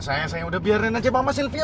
saya udah biarin aja mama sylvia